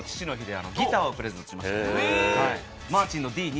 圧力鍋をプレゼントしました。